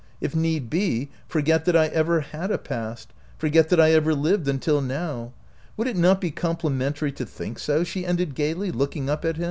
If need be, for get that I ever had a past, forget that I ever lived until now. Would it not be compli mentary to think so?" she ended gaily, look ing up at him.